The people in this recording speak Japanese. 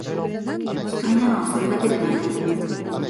奇怪なのは、それだけでない